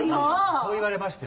そう言われましても。